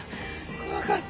怖かった。